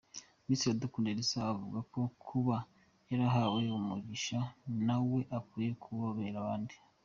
Miss Iradukunda Elsa avuga ko kuba yarahawe umugisha na we akwiye kuwubera abandi.